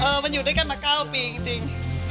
มันอยู่ด้วยกันมา๙ปีจริง